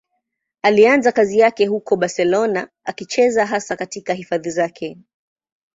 Alianza kazi yake huko Barcelona, akicheza hasa katika hifadhi zake.